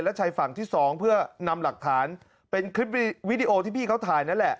และชายฝั่งที่สองเพื่อนำหลักฐานเป็นคลิปวิดีโอที่พี่เขาถ่ายนั่นแหละ